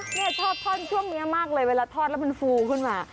เนี่ยชอบทอดช่วงนี้มากเลยเวลาทอดแล้วมันฟูขึ้นมา